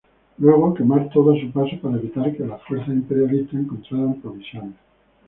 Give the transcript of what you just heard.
Luego, quemar todo a su paso para evitar que las fuerzas imperialistas encontraran provisiones.